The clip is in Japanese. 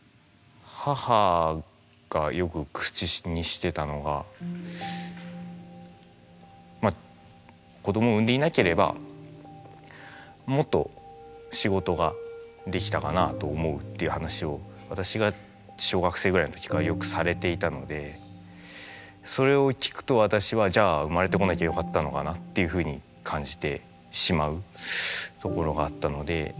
母がよく口にしてたのが「子供を産んでいなければもっと仕事ができたかなあと思う」っていう話を私が小学生ぐらいの時からよくされていたのでそれを聞くと私はじゃあっていうふうに感じてしまうところがあったので。